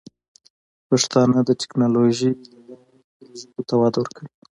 پښتانه د ټیکنالوجۍ له لارې خپلو ژبو ته وده ورکوي.